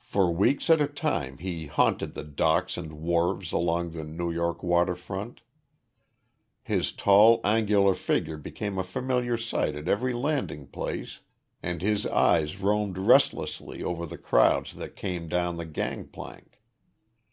For weeks at a time he haunted the docks and wharves along the New York water front. His tall, angular figure became a familiar sight at every landing place and his eyes roamed restlessly over the crowds that came down the gangplank.